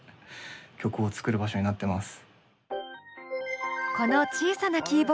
曲を作る場所になってます。